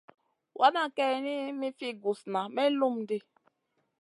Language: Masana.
Wana kayni mi fi gusna may lum ɗi.